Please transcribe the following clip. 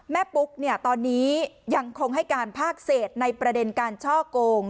ปุ๊กตอนนี้ยังคงให้การภาคเศษในประเด็นการช่อโกง